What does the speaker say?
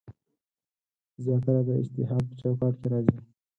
زیاتره د اجتهاد په چوکاټ کې راځي.